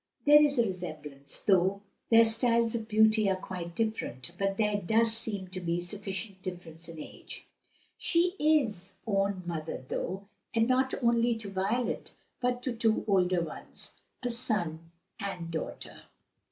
There is a resemblance, though their styles of beauty are quite different, but there does not seem to be sufficient difference in age." "She is own mother, though, and not only to Violet, but to two older ones a son and daughter."